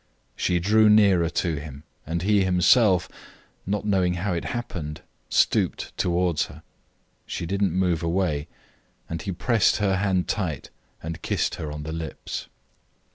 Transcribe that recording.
She drew nearer to him, and he himself, not knowing how it happened, stooped towards her. She did not move away, and he pressed her hand tight and kissed her on the lips.